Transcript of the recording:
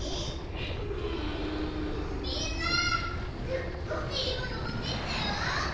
すっごくいいものもってきたよ。